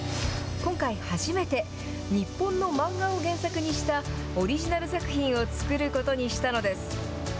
今回初めて、日本の漫画を原作にしたオリジナル作品を作ることにしたのです。